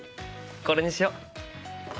これにしよう。